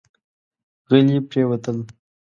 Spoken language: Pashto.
غلي پرېوتل.